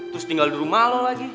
terus tinggal di rumah lo lagi